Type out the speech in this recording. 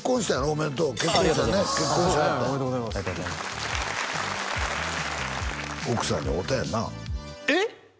おめでとうありがとうございますおめでとうございます奥さんに会うたやんなえっ！？